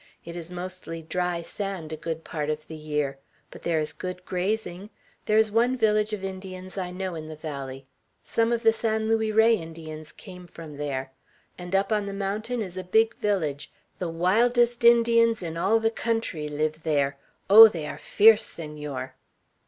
It is mostly dry sand a good part of the year. But there is good grazing. There is one village of Indians I know in the valley; some of the San Luis Rey Indians came from there; and up on the mountain is a big village; the wildest Indians in all the country live there. Oh, they are fierce, Senor!"